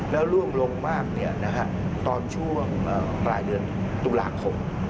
แล้วร่วงลงมากตอนช่วงปลายเดือนตุลาคม